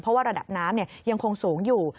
เพราะว่าระดับน้ำยังคงสูงอยู่